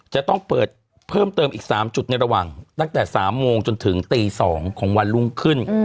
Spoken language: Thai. จะต้องเปิดเพิ่มเติมอีก๓จุดในระหว่างตั้งแต่๓โมงจนถึงตี๒ของวันรุ่งขึ้น